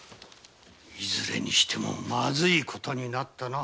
いずれにしてもまずい事になったな。